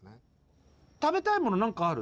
食べたいもの何かある？